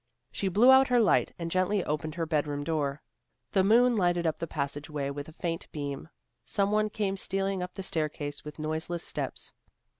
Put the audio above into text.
She blew out her light and gently opened her bed room door. The moon lighted up the passageway with a faint beam. Some one came stealing up the staircase with noiseless steps.